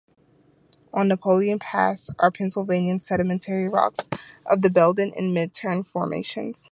On Napoleon Pass are Pennsylvanian sedimentary rocks of the Belden and Minturn formations.